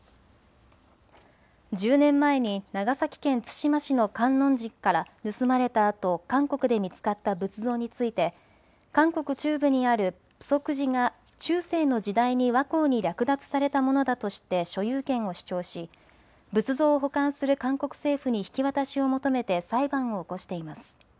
１０年前に長崎県対馬市の観音寺から盗まれたあと韓国で見つかった仏像について韓国中部にあるプソク寺が中世の時代に倭寇に略奪されたものだとして所有権を主張し仏像を保管する韓国政府に引き渡しを求めて裁判を起こしています。